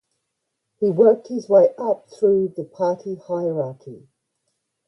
He worked his way up through the party hierarchy.